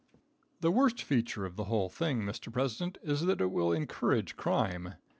The worst feature of the whole thing, Mr. President, is that it will encourage crime.